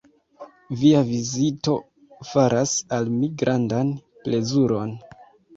Via vizito faras al mi grandan plezuron.